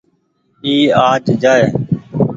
اي آج جآئي۔